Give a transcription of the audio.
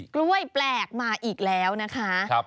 กล้วยแปลกมาอีกแล้วนะคะ